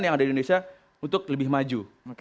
yang ada di indonesia untuk lebih maju